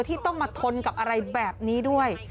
ที่ต้องมาทนกับอะไรแบบนี้ด้วย